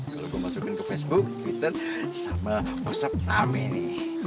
kalau gue masukin ke facebook kita sama whatsapp kami ini